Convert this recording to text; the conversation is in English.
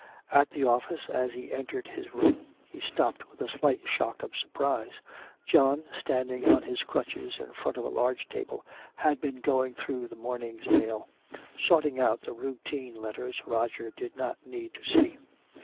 At the office, as he entered his room, he stopped with a slight shock of surprise. John, standing on his crutches in front of a large table, had been going through the morning's mail, sorting out the routine letters Roger did not need to see.